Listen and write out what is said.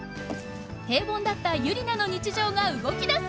平凡だったユリナの日常が動きだす！